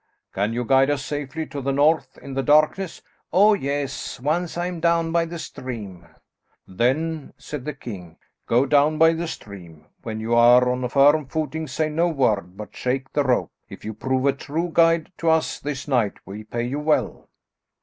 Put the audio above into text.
"Can you guide us safely to the north in the darkness?" "Oh, yes, once I am down by the stream." "Then," said the king, "go down by the stream. When you are on firm footing say no word, but shake the rope. If you prove a true guide to us this night we will pay you well."